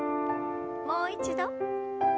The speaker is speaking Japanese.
もう一度。